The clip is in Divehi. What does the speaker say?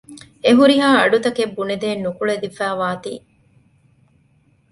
އެ ހުރިހާ އަޑުތަކެއް ބުނެދޭން ނުކުޅެދިފައިވާތީ